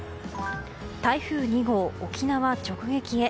台風２号、沖縄直撃へ。